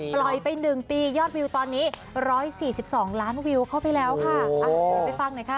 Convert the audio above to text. ปล่อยไปหนึ่งปียอดวิวตอนนี้๑๔๒ล้านวิวเข้าไปแล้วค่ะ